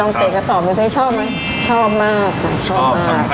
ลองเตะกระสอบมรึอใช่ชอบไหมชอบมากอะชอบมาก